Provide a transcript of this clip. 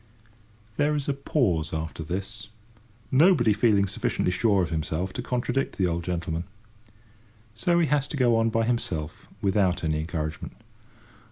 There is a pause after this, nobody feeling sufficiently sure of himself to contradict the old gentleman. So he has to go on by himself without any encouragement.